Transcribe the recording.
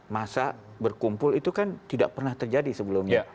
masa berkumpul itu kan tidak pernah terjadi sebelumnya